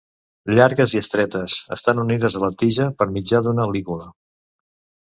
Llargues i estretes, estan unides a la tija per mitjà d'una lígula.